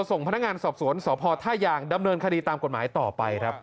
ส่งพนักงานสอบสวนสพท่ายางดำเนินคดีตามกฎหมายต่อไปครับ